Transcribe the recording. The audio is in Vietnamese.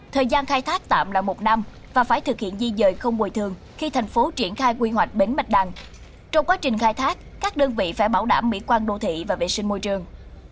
thời gian khai thác tạm là một năm và phải thực hiện di dời không bồi thường khi thành phố triển khai quy hoạch bến bạch đằng trong quá trình khai thác các đơn vị phải bảo đảm mỹ quan đô thị và vệ sinh môi trường